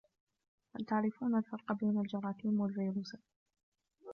هل تعرفون الفرق بين الجراثيم و الفيروسات؟